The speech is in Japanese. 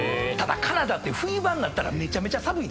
カナダって冬場になったらめちゃめちゃ寒いでしょ。